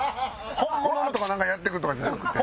「うわー！」とかなんかやってくるとかじゃなくて。